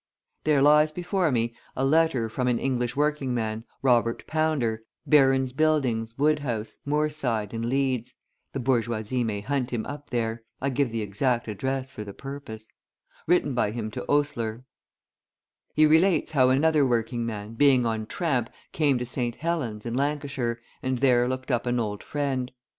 There lies before me a letter from an English working man, Robert Pounder, Baron's Buildings, Woodhouse, Moorside, in Leeds (the bourgeoisie may hunt him up there; I give the exact address for the purpose), written by him to Oastler: He relates how another working man, being on tramp, came to St. Helens, in Lancashire, and there looked up an old friend.